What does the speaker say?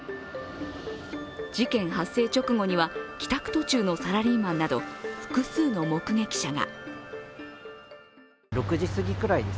事件発生直後には、帰宅途中のサラリーマンなど複数の目撃者が。